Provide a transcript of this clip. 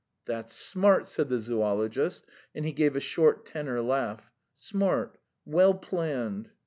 "That's smart!" said the zoologist, and he gave a short tenor laugh. "Smart, well planned."